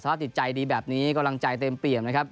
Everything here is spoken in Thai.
ถ้าติดใจดีแบบนี้กำลังใจเต็มเปี่ยมนะครับ